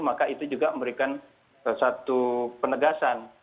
maka itu juga memberikan satu penegasan